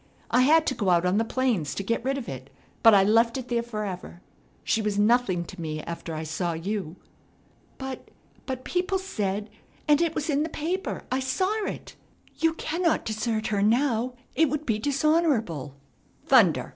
I had to go out on the plains to get rid of it, but I left it there forever. She was nothing to me after I saw you." "But but people said and it was in the paper, I saw it. You cannot desert her now; it would be dishonorable." "Thunder!"